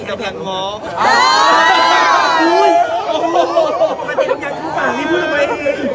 มันอยากคิดอะไรรึไง